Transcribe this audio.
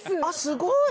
すごーい。